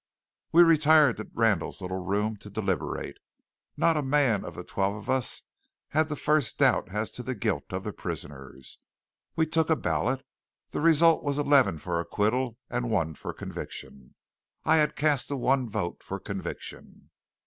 We retired to Randall's little room to deliberate. Not a man of the twelve of us had the first doubt as to the guilt of the prisoners. We took a ballot. The result was eleven for acquittal and one for conviction. I had cast the one vote for conviction.